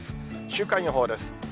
週間予報です。